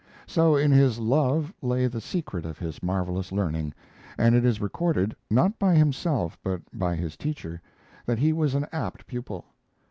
So, in his love lay the secret of his marvelous learning, and it is recorded (not by himself, but by his teacher) that he was an apt pupil.